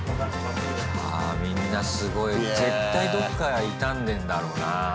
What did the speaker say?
あみんなすごい絶対どっか痛んでんだろうな。